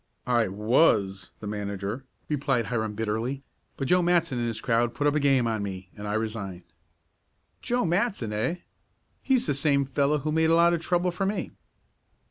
"I was manager," replied Hiram bitterly, "but Joe Matson and his crowd put up a game on me, and I resigned." "Joe Matson, eh? He's the same fellow who made a lot of trouble for me."